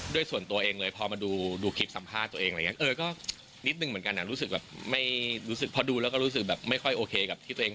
ด้วยส่วนตัวเองเลยพอมาดูคลิปสัมภาษณ์ตัวเอง